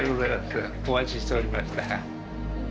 お待ちしておりました。